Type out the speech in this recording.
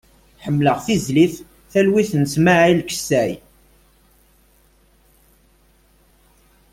Ḥemmleɣ tizlit "Talwit" n Smail Kessay.